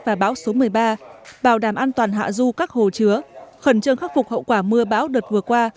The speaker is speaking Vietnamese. và bão số một mươi ba bảo đảm an toàn hạ du các hồ chứa khẩn trương khắc phục hậu quả mưa bão đợt vừa qua